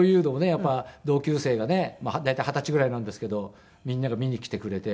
やっぱり同級生がね大体二十歳ぐらいなんですけどみんなが見に来てくれて。